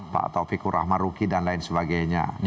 pak taufikur rahmaruki dan lain sebagainya